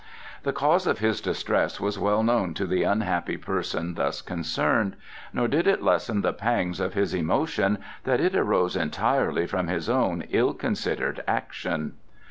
The cause of his distress was well known to the unhappy person thus concerned, nor did it lessen the pangs of his emotion that it arose entirely from his own ill considered action.